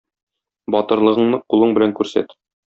Батырлыгыңны кулың белән күрсәт.